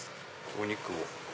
お肉を。